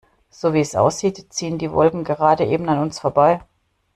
So, wie es aussieht, ziehen die Wolken gerade eben an uns vorbei.